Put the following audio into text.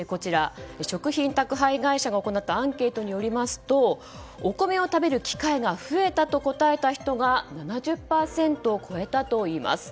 食品宅配会社が行ったアンケートによりますとお米を食べる機会が増えたと答えた人が７０％を超えたといいます。